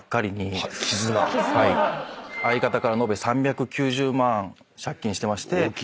相方から延べ３９０万借金してまして。